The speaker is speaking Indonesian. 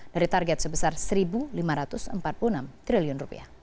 dari target sebesar rp satu lima ratus empat puluh enam triliun